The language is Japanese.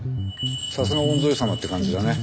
さすが御曹司様って感じだね。